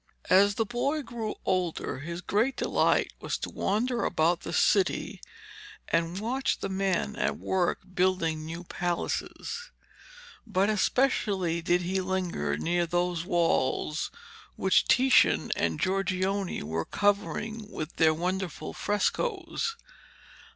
As the boy grew older, his great delight was to wander about the city and watch the men at work building new palaces. But especially did he linger near those walls which Titian and Giorgione were covering with their wonderful frescoes.